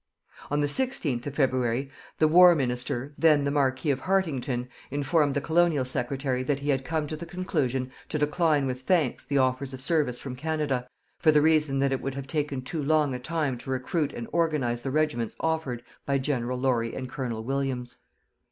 On the 16th of February, the War Minister, then the Marquis of Hartington, informed the Colonial Secretary that he had come to the conclusion to decline with thanks the offers of service from Canada, for the reason that it would have taken too long a time to recruit and organize the regiments offered by General Laurie and Colonel Williams.